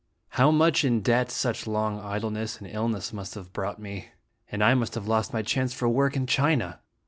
How much in debt such long idle ness and illness must have brought me ! And I must have lost my chance for work in China.